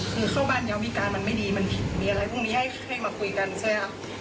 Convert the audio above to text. คือเข้าบ้านยามวิการมันไม่ดีมันมีอะไรพวกนี้ให้มาคุยกันใช่ไหมครับ